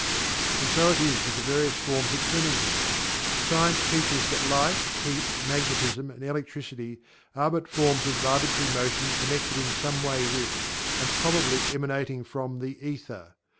And so it is with the various forms of Energy. Science teaches that Light, Heat, Magnetism and Electricity are but forms of vibratory motion connected in some way with, and probably emanating from the Ether.